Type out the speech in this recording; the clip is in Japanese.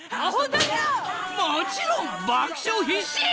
もちろん爆笑必至！